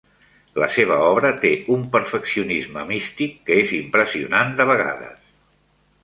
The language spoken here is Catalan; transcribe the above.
La seva obra té un "perfeccionisme" místic que és impressionant de vegades.